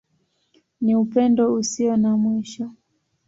Ni Upendo Usio na Mwisho.